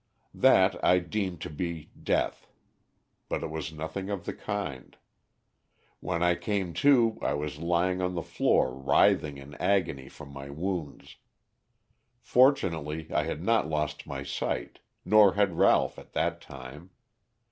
"That I deemed to be death; but it was nothing of the kind. When I came to I was lying on the floor writhing in agony from my wounds. Fortunately I had not lost my sight, nor had Ralph at that time.